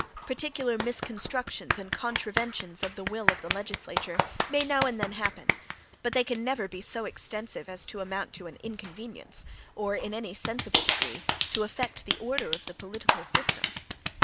Particular misconstructions and contraventions of the will of the legislature may now and then happen; but they can never be so extensive as to amount to an inconvenience, or in any sensible degree to affect the order of the political system.